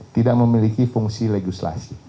tidak memiliki fungsi legislasi